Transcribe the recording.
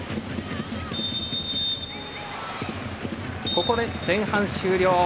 ここで前半終了。